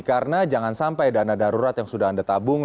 karena jangan sampai dana darurat yang sudah anda tabung